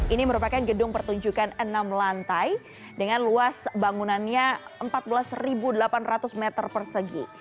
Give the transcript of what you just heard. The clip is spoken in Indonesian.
ini merupakan gedung pertunjukan enam lantai dengan luas bangunannya empat belas delapan ratus meter persegi